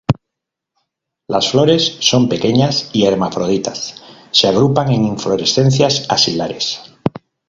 Las flores son pequeñas y hermafroditas, se agrupan en inflorescencias axilares.